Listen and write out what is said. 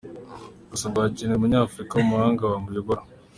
Gusa, ngo hakenewe umunyafurika w’umuhanga wawuyobora.